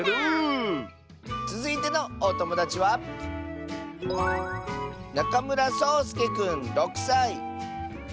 つづいてのおともだちはそうすけくんの。